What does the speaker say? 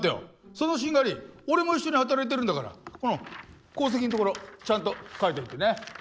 その殿俺も一緒に働いているんだから功績のところちゃんと書いておいてね。